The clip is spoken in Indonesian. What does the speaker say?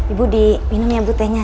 ibu di minum ya bu tehnya